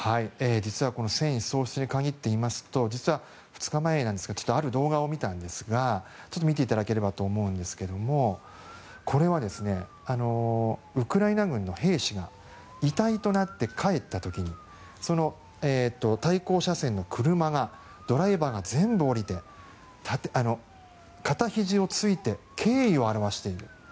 実はこの戦意喪失に限っていいますと実は２日前なんですがある動画を見たんですが見ていただければと思うんですがこれはウクライナ軍の兵士が遺体となって帰った時に対向車線の車がドライバーが全部降りて片ひざをついて敬意を表している。